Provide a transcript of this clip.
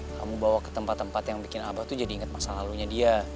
kamu bawa ke tempat tempat yang bikin abah tuh jadi ingat masa lalunya dia